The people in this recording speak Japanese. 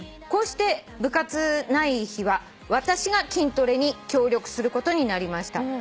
こうして部活ない日は私が筋トレに協力することになりました」